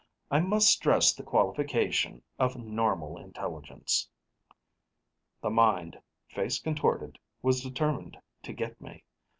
I must stress the qualification of normal intelligence." The Mind, face contorted, was determined to get me.